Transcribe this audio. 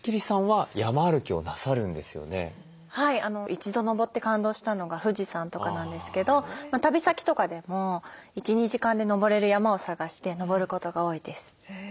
一度登って感動したのが富士山とかなんですけど旅先とかでも１２時間で登れる山を探して登ることが多いです。